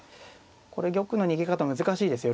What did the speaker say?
これ玉の逃げ方難しいですよ。